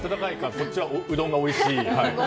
こっちはうどんがおいしい。